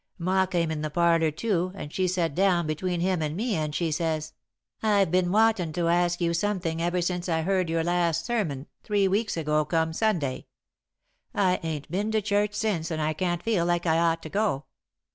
"Ma came in the parlour, too, and she set down between him and me, and she says: 'I've been wantin' to ask you something ever since I heard your last sermon, three weeks ago come Sunday. I ain't been to church since and I can't feel like I ought to go.'